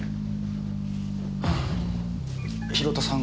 広田さん